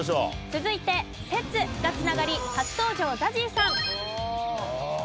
続いて「説」が繋がり初登場ＺＡＺＹさん。